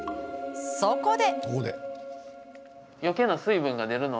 そこで。